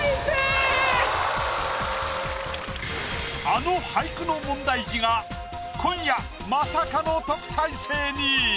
あの俳句の問題児が今夜まさかの特待生に！